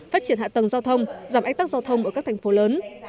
phát triển hạ tầng giao thông giảm ách tắc giao thông ở các thành phố lớn